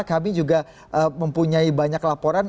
kami juga mempunyai banyak laporan